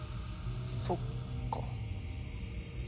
そっか。